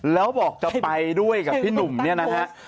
แล้วบอกจะไปด้วยกับพี่หนุ่มเนี่ยนะฮะ